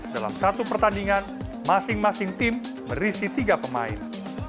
dalam satu pertandingan masing masing tim berisi tiga pemain